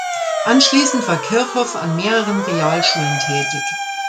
Anschließend war Kirchhoff an mehreren Realschulen tätig.